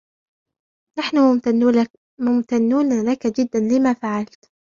نحن ممتنون لك جدا لما فعلت.